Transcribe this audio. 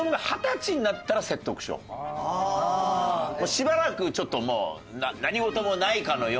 しばらくちょっともう何事もないかのように。